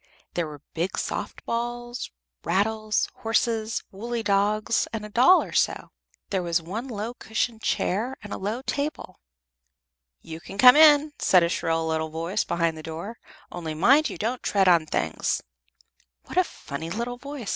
There were big soft balls, rattles, horses, woolly dogs, and a doll or so; there was one low cushioned chair and a low table. "You can come in," said a shrill little voice behind the door, "only mind you don't tread on things." "What a funny little voice!"